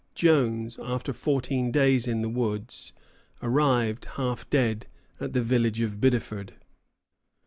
Jones, after fourteen days in the woods, arrived, half dead, at the village of Biddeford.